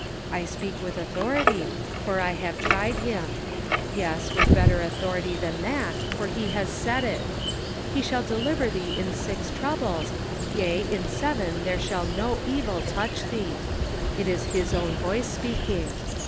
I speak with authority, for I 296 The Pocket Measure. have tried him ; yes, with better "authority than that, for he has said it :' He shall de liver thee in six troubles, yea in seven there shall no evil touch thee.' It is his own voice speaking.